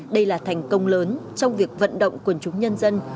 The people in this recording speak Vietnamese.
đây là thành công lớn trong việc vận động quần chúng nhân dân